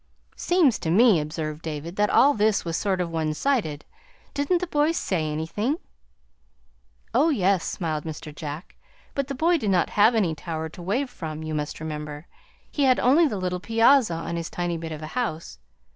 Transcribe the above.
"Seems to me," observed David, "that all this was sort of one sided. Didn't the boy say anything?" "Oh, yes," smiled Mr. Jack. "But the boy did not have any tower to wave from, you must remember. He had only the little piazza on his tiny bit of a house.